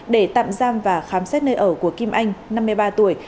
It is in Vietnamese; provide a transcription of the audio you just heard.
để tạm giam và khám xét nơi ở của kim anh năm mươi ba tuổi